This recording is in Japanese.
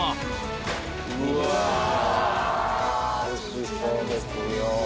おいしそうですよ。